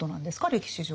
歴史上で。